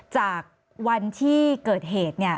จากวันที่เกิดเหตุ